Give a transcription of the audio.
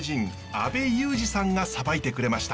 阿部勇次さんがさばいてくれました。